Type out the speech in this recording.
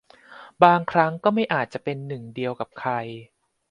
บางครั้งก็ไม่อาจจะเป็นหนึ่งเดียวกับใคร